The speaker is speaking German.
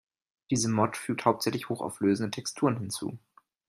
Diese Mod fügt hauptsächlich hochauflösende Texturen hinzu.